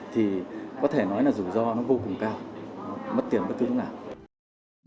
thì có thể nói là rủi ro nó vô cùng cao mất tiền bất cứ lúc nào